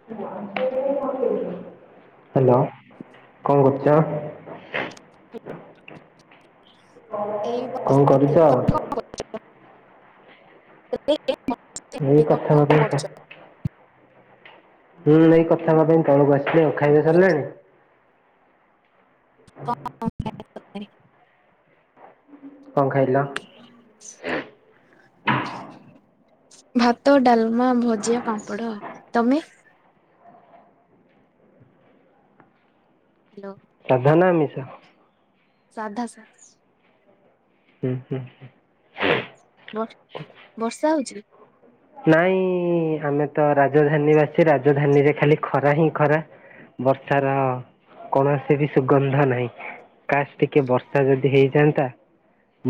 Hello କଣ କରୁଚ? [unintelligible] ଏଇ କଣ ବସିଥିଲି କରୁଚ? [unintelligible] ତମେ କଣ ଏଇ କଥା ହେବା ପାଇଁ ତ କରୁଚ? ହୁଁ ଏଇ କଥା ହେବା ପାଇଁ ତଳକୁ ଆସିଲି ଖାଇବା ସରିଲାଣି? [unintelligible] କଣ ଖାଇଲ? ଭାତ ଡାଲମା ଭଜିଆ ପାମ୍ପଡ ତମେ? ହ୍ୟାଲୋ। ସାଧା ନା ଆମିଷ? ସାଧା ସା ହୁଁ ହୁଁଁ। ବ ବର୍ଷା ହଉଛି? ନାଇଁ ଆମେ ତ ରାଜଧାନୀ ବାସୀ, ରାଜଧାନୀରେ ଖାଲି ଖରା ହିଁ ଖରା। ବର୍ଷାର କୌଣସି ବି ସୁଗନ୍ଧ ନାହିଁ। କାସ୍ ଟିକେ ବର୍ଷା ଯଦି ହେଇଯାଆନ୍ତା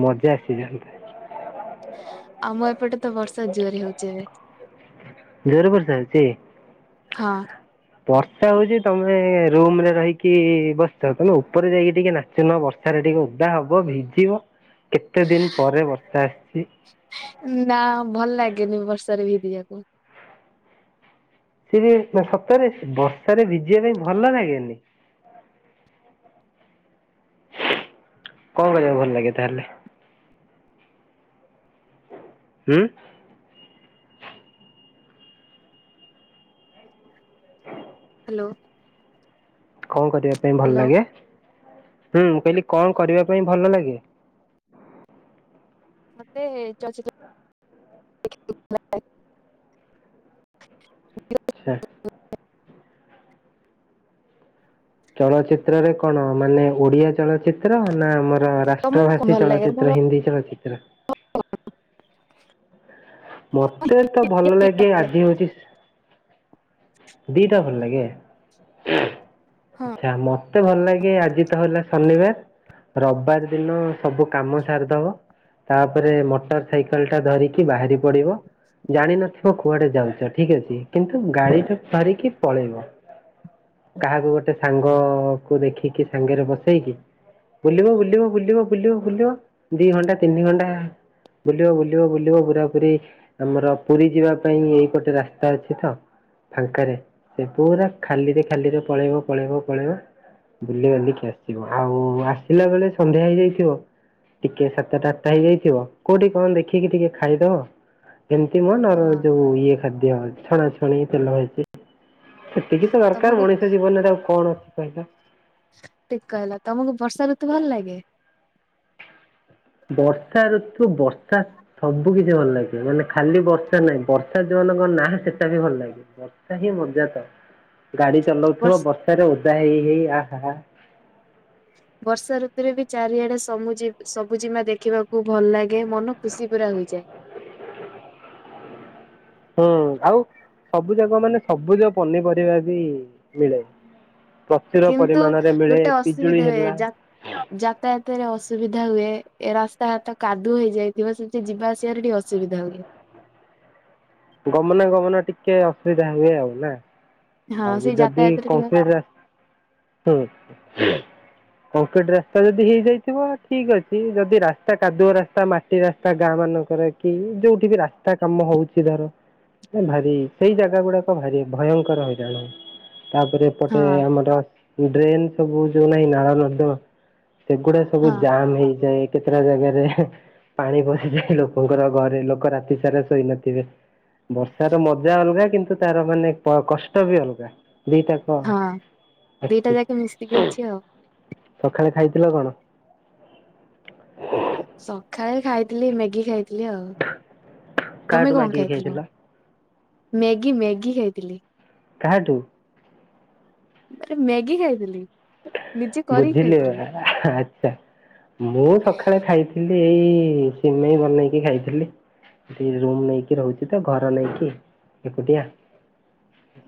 ମଜା ଆସିଯାନ୍ତା। ଆମ ଏପଟେ ତ ବର୍ଷା ଜୋର ହଉଛି ଏବେ। ଜୋରେ ବର୍ଷା ହେଉଛି? ହଁ। ବର୍ଷା ହଉଛି ତମେ ରୁମ ରେ ରହିକି ବସିଚ ତମେ ଉପରେ ଯାଇକି ଟିକେ ନା [unintelligible] ବର୍ଷାରେ ଟିକେ ଉଦା ହବ ଭିଜିବ କେତେ ଦିନ ପରେ ବର୍ଷା ଆସି। ନା ଭଲ ଲାଗେନି ବର୍ଷା ରେ ଭିଜିବାକୁ। ସିଏ ସତରେ ବର୍ଷାରେ ଭିଜିବା ପାଇଁ ଭଲ ଲାଗେନି? କଣ କରିବାକୁ ଭଲ ଲାଗେ ତାହେଲେ? ହୁଁ। [inaudible] ହ୍ୟାଲୋ। କଣ କରିବା ପାଇଁ ଭଲ ହ୍ୟାଲୋ। ଲାଗେ ହୁଁ କହିଲି କଣ କରିବା ପାଇଁ ଭଲ ଲାଗେ? ମତେ ଚଳଚିତ୍ର ଆଛା। ଚଳଚିତ୍ରରେ କଣ ମାନେ ଓଡିଆ ଚଳଚିତ୍ର ନା ଆମର ର ରାଷ୍ଟ୍ର ତମକୁ କଣ ଭାଷୀ ଭଲ ଲାଗେ ତମର ଚଳଚିତ୍ର ହିନ୍ଦୀ ଚଳଚିତ୍ର। ମତେ ତ ଭଲ ଲାଗେ ଆଜି ହଉଛି ଦିଟା ଭଲ ଲାଗେ ହଁ। ଆମ ମତେ ଭଲ ଲାଗେ ଆଜି ତ ହେଲା ଶନିବାର ରବିବାର ଦିନ ସବୁ କାମ ସାରିଦବ। ତାପରେ ମୋଟର ସାଇକେଲେ ଟା ଧରିକି ବାହାରି ପଡିବ ଜାଣିିନଥିବ କୁଆଡେ ଯାଉଛ ଠିକ ଅଛି କିନ୍ତୁ ଗାଡି ଟା ବାରିକି ପଳେଇବ। କାହାକୁ ଗୋଟେ ସାଙ୍ଗ କୁ ଦେଖିକି ସାଙ୍ଗରେ ବସେଇକି ବୁଲିବ ବୁଲିବ ବୁଲିବ ବୁଲିବ ବୁଲିବ ଦି ଘଣ୍ଟା ତିନି ଘଣ୍ଟା ବୁଲିବ ବୁଲିବ ବୁଲିବ ପୁରା ପୁରି ଆମର ପୁରୀ ଯିବା ପାଇଁ ଏଇ ଗୋଟେ ରାସ୍ତା ଅଛି ତ। ଫାଙ୍କାରେ ସେ ପୁରା ଖାଲିରେ ଖାଲିରେ ପଳେଇବ ପଳେଇବ ପଳେଇବ। ବୁଲି ବାଲିକି ଆସିବ ଆଉ ଆସିଲା ବେଳେ ସନ୍ଧ୍ୟା ହେଇଯାଇଥିବ। ଟିକି ସାତଟା ଆଠଟା ହେଇଯାଇଥିବ କେଉଠି କଣ ଦେଖିକି ଟିକେ ଖାଇଦେବ। ଏମିତି ମୋ ନୋର ହଁ ଯୋଉ ଇଏ ଖାଦ୍ୟ ଛଣା ଛଣି ତେଲ ହେଇଛି। ସେତିକି ତ ଦରକାର ତମକୁ ମଣିଷ ଜୀବନରେ ତ ଆଉ କଣ ଅଛି କହିଲ? ଠିକ କହିଲ ତମକୁ ବର୍ଷା ଋତୁ ଭଲ ଲାଗେ? ବର୍ଷା ଋତୁ ବର୍ଷା। ସବୁ କିଛି ଭଲ ଲାଗେ, ମାନେ ଖାଲି ବର୍ଷା ନାହିଁ ବର୍ଷା ଯୋଉମାନଙ୍କର ନା ସେଟା ବି ଭଲ ଲାଗେ। ବର୍ଷା ହିଁ ମଜା ତ ଗାଡି ବର୍ଷ ଚଲାଉଥିବ ବର୍ଷାରେ ଓଦା ହେଇ ହେଇ ଆ ହା ଆ। ବର୍ଷା ଋତୁରେ ବି ଚାରିଆଡେ ସୁମୁଜି ସବୁଜିମା ଦେଖିବାକୁ ଭଲ ଲାଗେ ମନ ଖୁସି ପୁରା ହୋଇଯାଏ। ହୁଁ ଆଉ ସବୁ ଯାକ ମାନେ ସବୁଜ ପନିପରିବା ବି ମିଳେ। ପ୍ରଚୁର କିନ୍ତୁ ପରିମାଣରେ ମିଳେ ଗୋଟେ ପିଜୁଳି ହେଲା। ରାସ୍ତା ହତରେ ଅସୁବିଧା ହୁଏ ଏ ରାସ୍ତା ହାତ କାଦୁଅ ହେଇଯାଇଥିବ ସେମିତି ଯିବା ଆସିବାରେ ଟିକେ ଅସୁବିଧା ହୁଏ। ଗମନା ଗମନ ଟିକେ ଅସୁବିଧା ହୁଏ ଆଉ ନା? ହଁ ଆଉ ସେଇ ଯଦି ଯାତାୟାତରେ ଟିକେ କଂକ୍ରିଟ ରା ହୁଁ। କଂକ୍ରିଟ ରାସ୍ତା ଯଦି ହେଇଯାଇଥିବ ଠିକ ଅଛି ଯଦି ରାସ୍ତା କାଦୁଅ ରାସ୍ତା ମା ମାଟି ରାସ୍ତା ଗାଁ ମାନଙ୍କର କି ଯୋଉଠି ବି ରାସ୍ତା କାମ ହଉଛି ଧର। ଭାରି ସେଇ ଜାଗା ଗୁଡାକ ଭାରି ଭୟଙ୍କର ହେ ତାପରେ ଏପଟେ ହଁ ଆମର ଡ୍ରେନ ସବୁ ଯୋଉ ନାହିଁ ନାଳ, ନର୍ଦ୍ଦମା ସେଗୁଡା ସବୁ ହଁ ଜାମ ହେଇଯାଏ। କେତେଟା ଜାଗାରେ ହେ। ପାଣି ପସିଯାଏ ଲୋକଙ୍କର ଘରେ ଲୋକ ରାତି ସାରା ଶୋଇ ନଥିବେ। ବର୍ଷ ର ମଜା ଅଲଗା କିନ୍ତୁ ତାର ମାନେ କ କଷ୍ଟ ବି ଅଲଗା ଦିଟା। ହଁ ଦିଟା ଅଛି, ଯାକ ମିଶିକି ଅଛି ଆଉ। ସକାଳେ ଖାଇଥିଲ କଣ? ସକାଳେ ଖାଇଥିଲି ମ୍ୟାଗି ଖାଇ ଥିଲି ଆଉ। କାହାଠୁ ତମେ କଣ ମାଗିକି ଖାଇଥିଲ? ମ୍ୟାଗି ମ୍ୟାଗି ଖାଇଥିଲି। କାହାଠୁ? ଆରେ ମ୍ୟାଗି ଖାଇଥିଲି। ନିଜେ କରିକି ବୁଝିଲି ଖାଇଥିଲି। ଆଛା। ମୁଁ ସକାଳେ ଖାଇଥିଲି ଏଇ ସିମେଇ ବନେଇକି ଖାଇଥିଲି। ଏଇ ରୁମ ନେଇକି ରହୁଛି ତ ଘର ନେଇକି ଏକୁଟିଆ।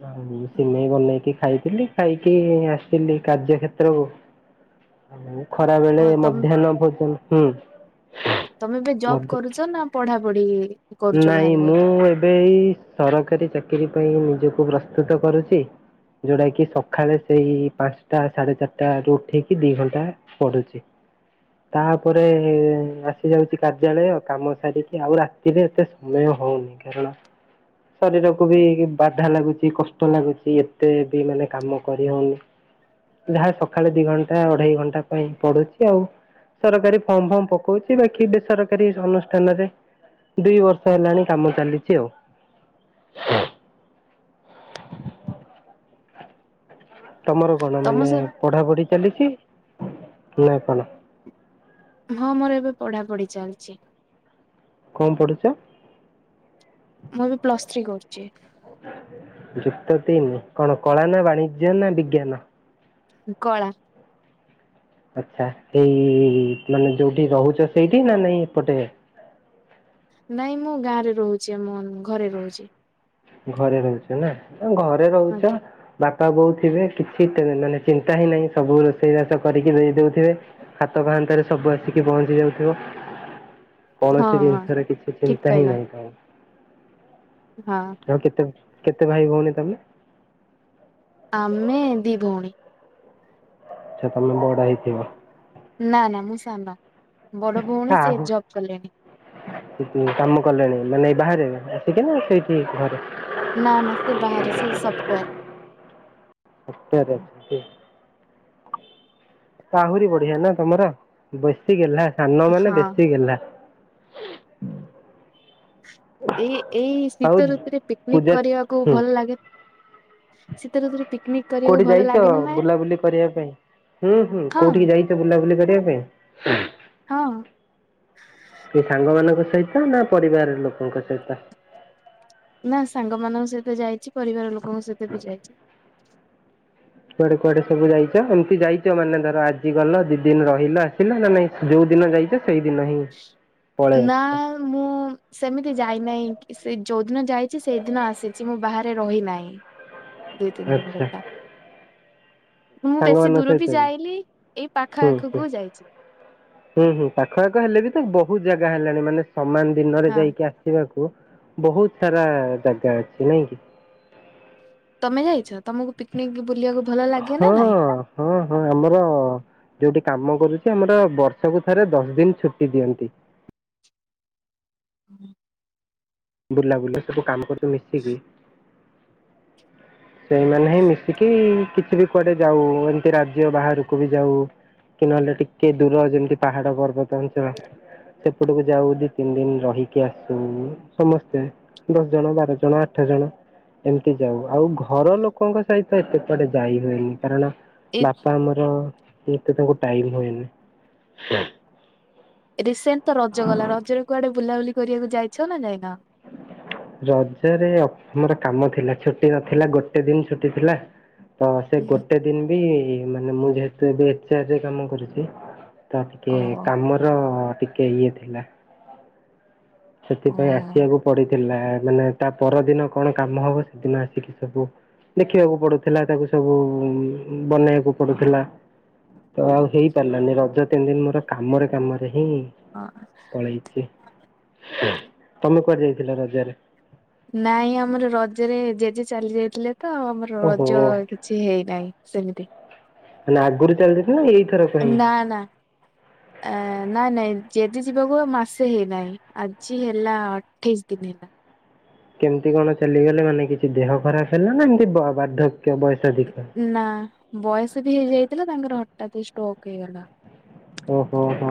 ଆଉ ସିମେଇ ବନେଇକି ଖାଇଥିଲି ଖାଇକି ଆସିଥିଲି। କାର୍ଯ୍ୟକ୍ଷେତ୍ରକୁ ଆଉ ଖରା ଓ ବେଳେ ତମ ମଧ୍ୟାହ୍ନ ଭୋଜନ ହୁଁ। ତମେ ଏବେ ଜବ ମଧ୍ୟ କରୁଛ ନା ପଢା ପଢି? ନାଇଁ ମୁଁ ଏବେ ଏଇ ସରକାରୀ ଚାକିରି ପାଇଁ ନିଜକୁ ପ୍ରସ୍ତୁତ କରୁଛି। ଯଉଟା କିି ସକାଳେ ସେଇ ପାଞ୍ଚଟା ସାଢେ ଚାରିଟା ରୁ ଉଠିକି ଦି ଘଣ୍ଟା ପଢୁଛି। ତାପରେ ଆସି ଯାଉଛି କାର୍ଯ୍ୟାଳୟ କାମ ସାରିକି ଆଉ ରା ରାତିରେ ଏତେ ସମୟ ହଉନି, କାରଣ ଶରୀରକୁ ବି ବାଧା ଲାଗୁଛି, କଷ୍ଟ ଲାଗୁଛି, ଏତେ ବି ମାନେ କାମ କରି ହଉନି। ଯାହା ସକାଳେ ଦି ଘଣ୍ଟା ଅଢେଇ ଘଣ୍ଟା ପାଇଁ ପଡୁଛି ଆଉ। ସରକାରୀ ଫର୍ମ ଫର୍ମ ପକଉଛି ବାକି ବେସରକାରୀ ଅନୁଷ୍ଠାନରେ। ଦୁଇ ବର୍ଷ ହେଲାଣି କାମ ଚାଲିଛି ଆଉ। [unintelligible] ତମର କଣ ତମ ମାନେ ସ ପଢାପଢି ଚାଲିଛି ନା କଣ? ହଁ ମୋର ଏବେ ପଢା ପଢି ଚାଲିଛି। କଣ ପଡୁଛ? ମୁଁ ଏବେ ପ୍ଲସ ଥ୍ରୀ କରୁଛି। ଯୁକ୍ତ ତିନି କ'ଣ କଳା ନା ବାଣିଜ୍ୟ ନା ବିଜ୍ଞାନ କଳା। ଆଛା ଏଇ ମାନେ ଯଉଠି ରହୁଚ ସେଇଠି, ନା ନାଇଁ ଏପଟେ ନାଇଁ ମୁଁ, ଗାଁରେ ରହୁଚି ଆମ ଘରେ ରହୁଚି। ଘରେ ରହୁଚ ନା, ଘରେ ରହୁଚ ଆଜ୍ଞା ବାପା-ବୋଉ ଥିବେ କିଛି ଚିନ୍ତା ହିଁ ନାହିଁ, ସବୁ ରୋଷେଇ ବାସ କରିକି ଦେଇ ଦଉଥିବେ। ହାତ ପାହାନ୍ତାରେ ସବୁ ଆସିକି ପହଞ୍ଚି ଯାଉଥିବ। ହଁ କୌଣସି ହଁ ଜିନ୍‌ଷ ରେ କିଛି ଠିକ ଚିନ୍ତା ହିଁ କହିଲା ନାହିଁ ତ [inaudible] କେତେ କେତେ ଭାଇ ଭଉଣୀ ତମେ? ଆମେ ଦି ଭଉଣୀ। ତମେ ବଡ଼ ହେଇଥିବ। ନା ନା ମୁଁ ସାାନ ବଡ଼ ଭଉଣୀ ସେ ଆହୁ ଜବ୍ କଲେଣି। [inaudible] ନା ନା ସେ ବାହାରେ ସଫ୍ଟ [inaudible] ଆହୁରି ବଢ଼ିଆ ନା ତମର, ବେଶୀ ଗେଲ୍ଲା ସାନ ମାନେ ହଁ ବେଶୀ ଗେଲ୍ଲା। ହୁଁ ଏଇ ଏଇ ଶୀତ ଋତୁରେ ପିକ୍ନିକ୍ ପୂଜା କରିବାକୁ ହୁଁ ଭଲ୍ ଲାଗେ। ଶୀତ ଋତୁରେ ପିକନିକ କରିବାକୁ କଉଠି ଭଲ ଯାଇଚ ଲାଗେ ନା ନାଇଁ ବୁଲାବୁଲି କରିବା ପାଇଁ? ହୁଁ ହୁଁ ହଁ କଉଠିକି ଯାଇ ବୁଲାବୁଲି କରିବା ପାଇଁ। ହଁ! ସାଙ୍ଗମାନଙ୍କ ସଇତ ନା ପରିବାର ଲୋକଙ୍କ ସ--ତ ନା ସାଙ୍ଗମାନଙ୍କ ସଇତ ଯାଇଚି, ପରିବାର ଲୋକଙ୍କ ସହିତ ବି ଯାଇଚି। କୁଆଡ଼େ କୁଆଡ଼େ ସବୁ ଯାଇଚ? ଏମ୍ତି ଯାଇଚ ମାନେ ଧର ଆଜି ଗଲ ଦି ଦିନ ରହିଲ ଆସିଲ, ନା ନାଇଁ ଯଉ ଦିନ ଯାଇଚ ସେଇ ଦିନ ହିଁ ପଳେଇ ଆସ [inaudible] ସେମିତି ଯାଇନା, କି ସେ ଯଉ ଦିନ ଯାଇଚି ସେଇଦିନ ଆସିଚି, ମୁଁ ବାହାରେ ରହିନାଇଁ। ଆଚ୍ଛା। [inaudible] ମୁଁ ବେଶି ସାଙ୍ଗମାନଙ୍କ ଦୂର ସହିତ ବି ଯାଇଲି, ଏଇ ପାଖ ଆଖକୁ ଯାଇଚି। ଉଁ ହୁଁ, ପାଖଆଖ ହେଲେ ବି ତ ବହୁତ୍ ଜାଗା ହେଲାଣି। ମାନେ ସମାନ୍‌ ଦିନରେ ହଁ ଯାଇକି ବାକୁ ବହୁତ୍‌ ସାରା ଜାଗା ଅଛି ନାଇଁ କି? ତମେ ଯାଇଛ, ତମୁକୁ ପିକ୍ନିକ୍ ବୁଲିବାକୁ ଭଲ ଲାଗେ ନା ହଁ ନାଇଁ? ହଁ ହଁ ଆମ ଯଉଠି କାମ କରୁଚି, ଆମ୍ର ବର୍ଷକୁ ଥରେ ଦଶ୍ ଦିନ୍‌ ଛୁଟି ଦିଅନ୍ତି। ହୁଁ [inaudible] ସେଇମାନେ ହିଁ ମିଶିକି କୁଆଡ଼େ ଯାଉ, ଏମ୍ତି ରାଜ୍ୟ ବାହାରକୁ ବି ଯାଉ। କି ନହେଲେ ଟିକେ ଦୂର, ଯେମିତି ପାହାଡ ପର୍ବତ ଞ୍ଚଳ ସେପଟକୁ ଯାଉ, ଦି ତିନ୍ ଦିନ୍‌ ରହିକି ଆସୁ ସମସ୍ତେ। ଦଶ୍ ଜଣ ବାର ଜଣ ଆଠ ଜଣ ଏମ୍ତି ଯାଉ ଆଉ। ଘର ଲୋକଙ୍କ ସହିତ ଏତେ କୁଆଡ଼େ ଯାଇ ହୁଏନି। କାରଣ ଏଇ ବାପା ଆମର ଏତେ ତାଙ୍କୁ ଟାଇମ୍ ହୁଏନି। ରିସେଣ୍ଟ୍ ତ ରଜ ଗଲା, ରଜରେ କୁଆଡ଼େ ବୁଲାବୁଲି କରିବାକୁ ଯାଇଛ ନା ଯାଇନ? ହ ରଜରେ ମୋର କାମ ଥିଲା ଛୁଟି ନଥିଲା, ଗୋଟେ ଦିନ୍‌ ଛୁଟି ଥିଲା। ତ ସେ ହୁଁ। ଗୋଟେ ଦିନ୍‌ ବି ମାନେ ମୁଁ ଯେହେତୁ ଏବେ ଏଚେଆର୍‌ ଆର କାମ କରୁଚି। ତ ଟିକେ ଓହୋ କାମର ଟିକେ ଇଏ ଥିଲା। ସେଥିପାଇଁ ଓହୋ ଆସିବାକୁ ପଡ଼ିଥିଲା, ମାନେ ତା ପରଦିନ କ'ଣ କାମ ହବ। ସେଦିନ ଆସିକି ସବୁ ଦେଖିବାକୁ ପଡୁଥିଲା ତାକୁ ସବୁ ବନେଇବାକୁ ପଡୁଥିଲା। ତ ଆଉ ହେଇ ପାରିଲାନି ରଜ ତିନି ଦିନ ମୋର କାମରେ କାମରେ ହେଇଯା ହଁ। ପଳେଇଛି। ତମେ କୁଆଡେ ଯାଇଥିଲ ରଜାରେ? ନାଇଁ ଆମର ରଜରେ ଜେଜେ ଚାଲି ଯାଇଥିଲେ ତ ଆମର ଓହୋ ରଜ କିଛି ହେଇନାହିଁ ସେମିତି ନା ଆଗରୁ ଚାଲି ଯା ନା ନା ହ ଏ ନାଇଁ ନାଇଁ ଜେଜେ ଯିବାକୁ ମାସେ ହେଇନାହିଁ ଆଜି ହେଲା ଅଠେଇଶି ଦିନି କେମିତି କଣ ଚାଲିଗଲେ ମାନେ କିଛି ଦେହ ଖରାପ ହେଲା ନା ଏମିତି ବାର୍ଦ୍ଧକ୍ୟ ବୟସ ଅଧିକ? ନା ବୟସ ବି ହେଇଯାଇଥିଲା ତାଙ୍କର ହଠାତ୍ ଷ୍ଟୋକ୍ ହେଇଗଲା। ଓହୋ ହୋ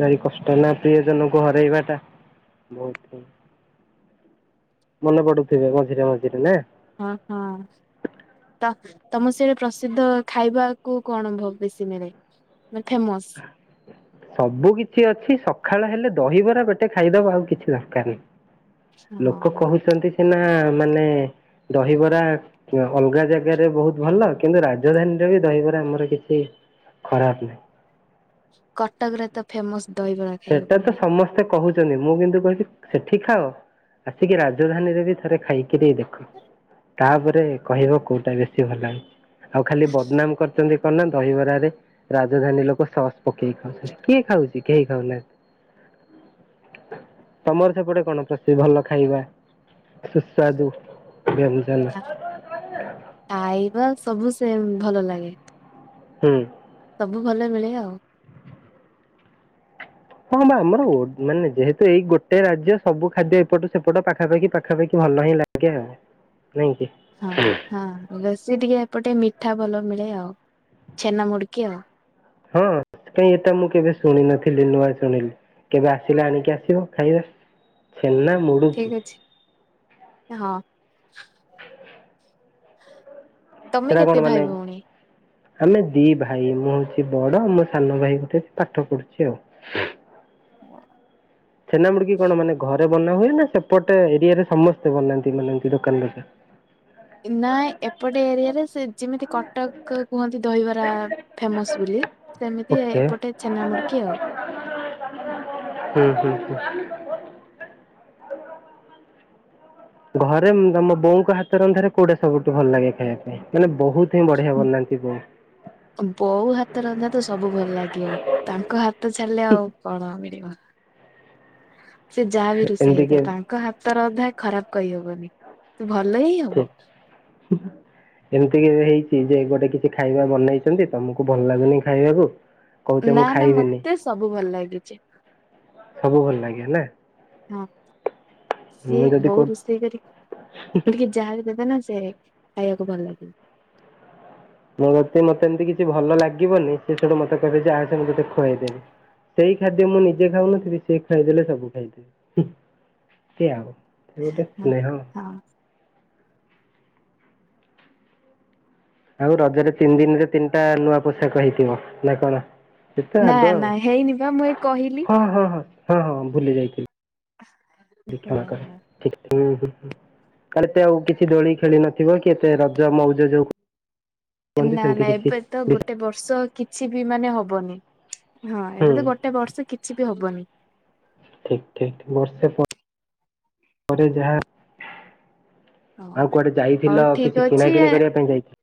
ଭାରି କଷ୍ଟ ନା ପ୍ରିୟ ଜନଙ୍କୁ ହରାଇବା ଟା। ବହୁତ ମନେ ପଡୁଥିବେ ମଝିରେ ମଝିରେ ନା? ହଁ ହଁ ତ ତମ ସେଟେ ପ୍ରସିଦ୍ଧ ଖାଇବାକୁ କଣ ବେଶୀ ମିଳେ? ଫେମସ୍। ସବୁ କିଛି ଅଛି ସକାଳ ହେଲେ ଦହିବରା ପେଟେ ଖାଇଦବ ଆଉ କିଛି ଦରକାର ନାହିଁ। ହଁ ଲୋକ ହଁ କହୁଛନ୍ତି ସିନା ମାନେ ଦହିବରା ଅଲଗା ଜାଗାରେ ବହୁତ ଭଲ କିନ୍ତୁ ରାଜଧାନୀରେ ବି ଦହିବାର ଆମର କିଛି ଖରାପ ନା କଟକରେ ତ ଫେମସ ଦହିବରା। ସେଟା ଖାଇବାକୁ ତ ମିଳେ। ସମସ୍ତେ କହୁଛନ୍ତି ମୁଁ କିନ୍ତୁ କହୁଛି ସେଠି ଖାଅ ଆସିକି ରାଜଧାନୀ ରେ ବି ଥରେ ଖାଇକି ଦେଇ ଦେଖ। ତାପରେ କହିବ କୋଉଟା ବେଶୀ ଭଲ। ଆଉ ଖାଲି ବଦନାମ କରିଛନ୍ତି ଦହିବରାାରେ ରାଜଧାନୀ ଲୋକ ସସ୍ ପକେଇକି ଖାଉଛନ୍ତି କିଏ ଖାଉଛି କେହି [unintelligible] ତମର ସେପଟେ କଣ ପ୍ରଶିବ ଭଲ ଖାଇବା? ସୁସ୍ସାଦୁ ବ୍ୟଞ୍ଜନ ଖାଇବା ସବୁ ସେମ ଭଲ ଲାଗେ। ହୁଁ ସବୁ ଭଲ ମିଳେ ଆଉ। ହଁ ବା ଆମର ମାନେ ଯେହେତୁ ଏଇ ଗୋଟେ ରାଜ୍ୟ ସବୁ ଖାଦ୍ୟ ଏପଟୁ ସେପଟ ପାଖାପାଖି ପାଖାପାଖି ଭଲ ହିଁ ଲାଗେ। ଆଜ୍ଞା ନାଇଁକି? ହଁ ହଁ ବେଶି ଟିକେ ହେପଟେ ମିଠା ଭଲ ମିଳେ ଆଉ ଛେନା ମୁଡକି ଆଉ। ହଁ କାଇଁ ଏଟା ମୁଁ କେବେ ଶୁଣି ନଥିଲି ନୁଆ ଶୁଣିଲି। କେବେ ଆସିଲେ ଆଣିକି ଆସିବ ଖାଇବା ଛେନା ମୁ ଠିକ ଅଛି ହଁ ତମେ ସେରା କଣ କେତେ ମାନେ ଭାଇ ଭଉଣୀ? ଆମେ ଦି ଭାଇ ମୁଁ ହଉଛି ବଡ ମୋ ସାନ ଭାଇ ଗୋଟେ ଅଛି ପାଠ ପଢୁଛି ଆଉ। ଛେନାମୁଡିକି କଣ ମାନେ ଘରେ ବନା ହୁଏ ନା ସେପଟେ ଏରିଆରେ ସମସ୍ତେ ବନାନ୍ତି ମାନ ଦୋକାନ ରେ। ଆ୍ା [inaudible] ନାାଇ ଏପଟେ ଏରିଆରେ ସେ ଯେମିତି କଟକ କୁହନ୍ତି ଦହିବରା ଫେମସ ବୋଲି ସେମିତି ଓକେ ଏପଟେ ଛେନା ମୁୁଡିକି ଆଉ। ହୁଁ ହୁଁ ହୁଁ। ଘରେ ତମ ବୋଉଙ୍କ ହାତ ରନ୍ଧାରେ କଉଟା ସବୁଠୁ ଭଲ ଲାଗେ ଖାଇବା ପାଇଁ? ମାନେ ବହୁତିଁ ବଢିଆ ବନାନ୍ତି [unintelligible] ବୋଉ ହାତ ରନ୍ଧା ତ ସବୁ ଭଲ ଲାଗିବ। ତାଙ୍କ ହାତ ଛାଡ଼ିଲେ ଆଉ କଣ ମିଳିବ? ହ ସେ ଯାହା ବି ରୋଷେଇ ହେଇଥାଉ ତାଙ୍କ ହାତରନ୍ଧା ଖରାପ କହିହବନି। ତ ଭଲ ହିଁ ହବ। ହ ହ। ଏମିତି କେବେ ହେଇଛି ଯେ ଗୋଟେ କିଛି ଖାଇବା ବନେଇଛନ୍ତି ତମକୁ ଭଲ ଲାଗୁନି ଖାଇବାକୁ। କହୁଛ ନା ମୁଁ ନା ଖାଇବିନି ମତେ ସବୁ ଭଲ ଲାଗୁଚି। ସବୁ ଭଲ ଲାଗେ ନା। ହଁ ସିଏ ମୁଁ ଯଦି ବୋଉ କୋଉ ରୋଷେଇ କରି କରିକି ଯାହା ବି ଦେବେନା ସେ ଖାଇବାକୁ ଭଲ ଲାଗେ। ମୋତେ ନାତି ମତେ ଯଦି ଏମିତି କିଛି ଭଲ ଲାଗିବନି ସେ ସେଟୁ ମତେ କହିବେ ଯେ ଆସେ ମୁଁ ତତେ ଖୁଆଇଦେବି। ସେଇ ଖାଦ୍ୟ ମୁଁ ନିଜେ ଖାଉନଥିବି ସେ ଖୁଆଇଦେଲେ ସବୁ ଖାଇବି ସେ ଆଉ ସେ ଗୋଟେ ହଁ। ସ୍ନେହ। ହଁ ଆଉ ରଜରେ ତିନି ଦିନରେ ତିନିଟା ନୂଆ ପୋଷାକ ହେଇଥିବ ନା କଣ? ଏତେ ନା ଆଗ ନା ଆଉ ହେଇନି ବା ମୁଁ ଏଇ କହିଲି। ହଁ- ହଁ- ହଁ- ହଁ- ହଁ ଭୁଲି ଯାଇଥିଲି। ମୋତେ କ୍ଷମା କର। ହଁ। ଠିକ୍ ହୁଁ -ହୁଁ କାଲି ଏତେ ଆଉ କିଛି ଦୋଳି ଖେଳି ନଥିବ କି ଏତେ ରଜ ମଉଜ ଯୋଉ କୁହନ୍ତି ନା ସେମିତି ନା କିଛି ଏବେ ତ ଗୋଟେ ବର୍ଷ କିଛି ବି ମାନେ ହବନି ହଁ ହୁଁ ଏବେ ତ ଗୋ ଗୋଟେ ବର୍ଷ କିଛି ବି ହବନି। ଠିକ୍ ଠିକ୍ ବର୍ଷେ ପରେ ପରେ ଯାହା ହଁ ଆଉ କୁଆଡେ ହଉ ଯାଇଥିଲ ଠିକ କିଛି ଅଛି ଆ କିଣାକିଣି କରିବା ପାଇଁ ଯାଇ